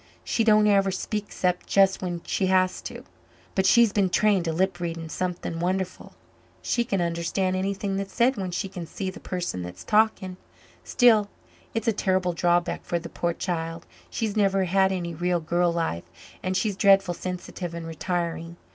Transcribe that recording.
She don't ever speak except just when she has to. But she's been trained to lip reading something wonderful she can understand anything that's said when she can see the person that's talking. Still, it's a terrible drawback for the poor child she's never had any real girl life and she's dreadful sensitive and retiring.